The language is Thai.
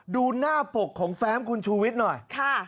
ดูหน้าปกของแฟ้มคุณชูวิทย์หน่อย